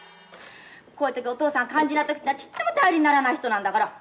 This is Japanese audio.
こういう時お父さん肝心な時にはちっとも頼りにならない人なんだから。